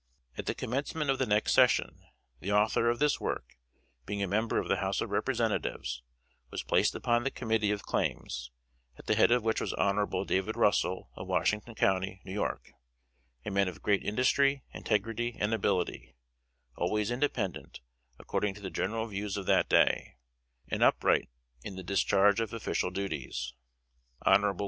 At the commencement of the next session, the Author of this work, being a member of the House of Representatives, was placed upon the committee of Claims; at the head of which was Hon. David Russel, of Washington County, New York, a man of great industry, integrity and ability; always independent, according to the general views of that day, and upright in the discharge of official duties. Hon.